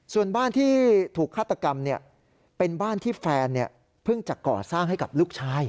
ส่วนบ้านที่ถูกฆาตกรรมเป็นบ้านที่แฟนเพิ่งจะก่อสร้างให้กับลูกชาย